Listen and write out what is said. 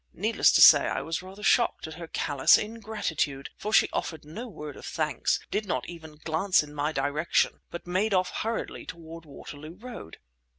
Needless to say I was rather shocked at her callous ingratitude, for she offered no word of thanks, did not even glance in my direction, but made off hurriedly toward Waterloo Road.